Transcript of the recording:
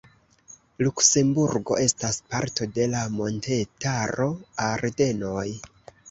Luksemburgo estas parto de la montetaro Ardenoj.